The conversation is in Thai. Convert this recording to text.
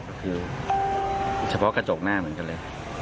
ก็คือเฉพาะกระจกหน้าเหมือนกันเลย